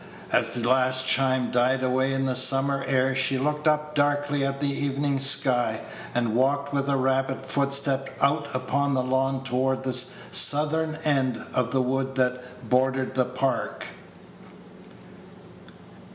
As the last chime died away in the summer air, she looked up darkly at the evening sky, and walked with a rapid footstep out upon the lawn toward the southern end of the wood that bordered the Park.